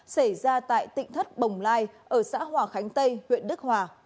xảy ra tại tỉnh thất bồng lai ở xã hòa khánh tây huyện đức hòa